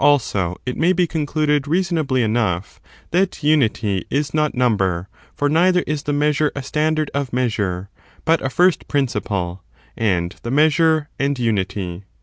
Wherefore, also, it may be concluded, reasonably enough, that imity is not number ; for neither is the measure a standard of measure,^ but a first principle, and the measure, and unity.